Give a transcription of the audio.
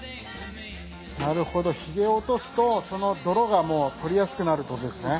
なるほどひげ落とすとその泥が取りやすくなるってことですね。